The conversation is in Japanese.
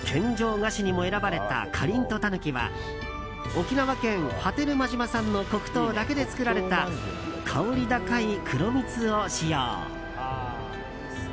菓子にも選ばれたかりんとたぬきは沖縄県波照間島産の黒糖だけで作られた香り高い黒蜜を使用。